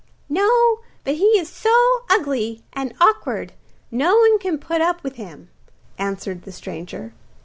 'No; but he is so ugly and awkward no one can put up with him,' answered the stranger.